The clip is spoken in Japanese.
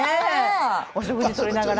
お食事とりながら。